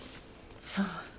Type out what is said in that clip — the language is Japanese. そう。